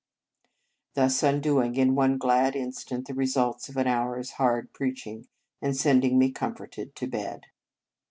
" thus undoing in one glad instant the results of an hour s hard preaching, and sending me comforted to bed.